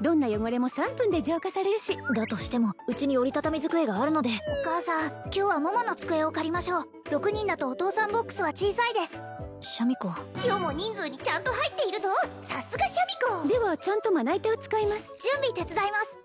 どんな汚れも３分で浄化されるしだとしてもうちに折りたたみ机があるのでお母さん今日は桃の机を借りましょう６人だとお父さんボックスは小さいですシャミ子余も人数にちゃんと入っているぞさすがシャミ子ではちゃんとまな板を使います準備手伝います